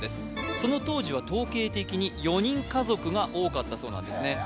その当時は統計的に４人家族が多かったそうなんですね